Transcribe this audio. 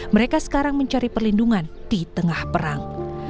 mereka sekarang mencari perlindungan di tengah perang